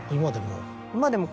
今でも？